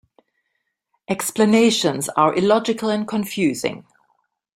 Explanations are illogical and confusing.